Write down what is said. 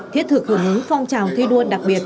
thiết thực hướng hướng phong trào thi đua đặc biệt